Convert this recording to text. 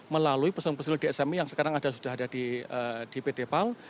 melalui pesan pesan di smi yang sekarang sudah ada di pt pal